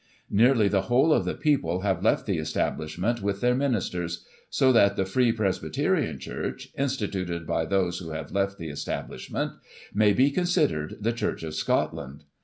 Nearly the whole of the people have left the Establishment with their ministers — so that the Free Presbyterian Church, instituted by those who have left the Establishment, may be considered the Church of Scotland.